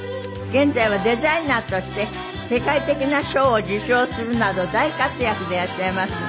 現在はデザイナーとして世界的な賞を受賞するなど大活躍でいらっしゃいます。